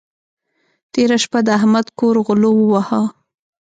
تېره شپه د احمد کور غلو وواهه.